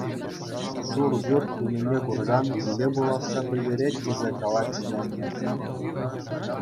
Шур пӳрт тунине курсан виле пуласса пӗлтерет тесе калатчӗ те анне.